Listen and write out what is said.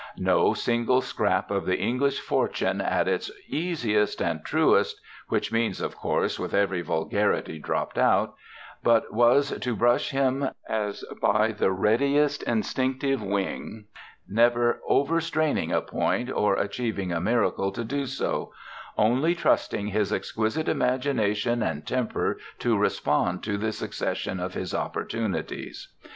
No single scrap of the English fortune at its easiest and truest which means of course with every vulgarity dropped out but was to brush him as by the readiest instinctive wing, never over straining a point or achieving a miracle to do so; only trusting his exquisite imagination and temper to respond to the succession of his opportunities.